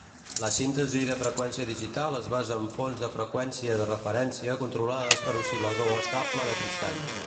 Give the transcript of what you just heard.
La síntesi de freqüència digital es basa en fonts de freqüència de referència controlades per oscil·lador estable de cristall.